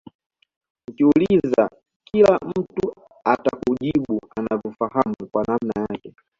Ukiuliza kila mtu atakujibu anavyofahamu kwa namna yake